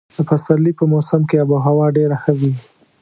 د پسرلي په موسم کې اب هوا ډېره ښه وي.